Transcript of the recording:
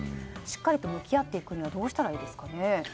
しっかりと向き合っていくにはどうすればいいですかね。